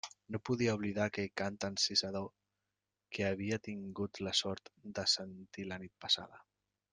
No podia oblidar aquell cant encisador que havia tingut la sort de sentir la nit passada.